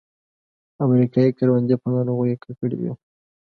امریکایي کروندې په ناروغیو ککړې وې.